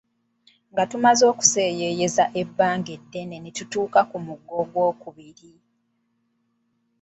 Nga tumaze okuseeyeeya ebbanga eddene ne tutuuka ku mugga ogw'okubiri.